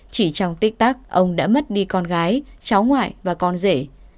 chỉ trong tích tắc ông đã mất đi con gái cháu ngoại và con rể